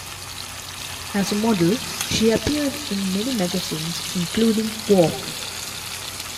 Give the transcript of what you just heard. As a model, she appeared in many magazines including "Vogue".